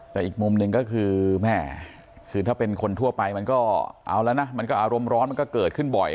แต่อีกมุมหนึ่งก็คือแม่คือถ้าเป็นคนทั่วไปมันก็เอาแล้วนะมันก็อารมณ์ร้อนมันก็เกิดขึ้นบ่อย